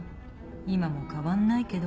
今も変わんないけど。